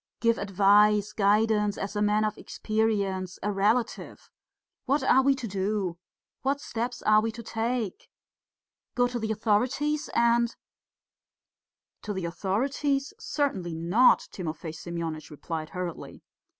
"Give advice, guidance, as a man of experience, a relative! What are we to do? What steps are we to take? Go to the authorities and ..." "To the authorities? Certainly not," Timofey Semyonitch replied hurriedly.